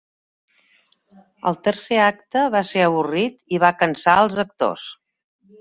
El tercer acte va ser avorrit i va cansar els actors.